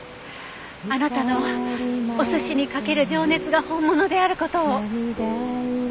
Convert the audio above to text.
あなたのお寿司にかける情熱が本物である事を。